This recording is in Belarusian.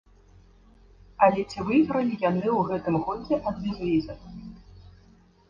Але ці выйгралі яны ў гэтым годзе ад безвіза?